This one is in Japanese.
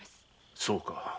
そうか茜